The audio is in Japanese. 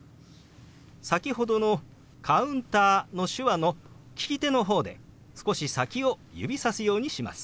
先ほどの「カウンター」の手話の利き手の方で少し先を指さすようにします。